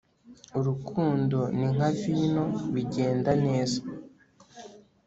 urukundo ni nka vino bigenda neza